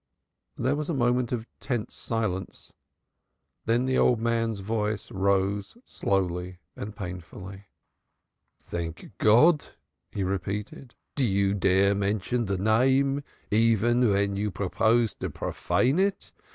There was a moment of tense silence. Then the old man's voice rose slowly and painfully. "Thank God!" he repeated. "Do you dare mention the Name even when you propose to profane it?